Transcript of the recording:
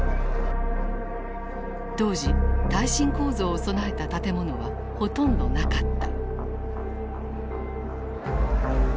当時耐震構造を備えた建物はほとんどなかった。